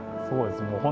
そうですね。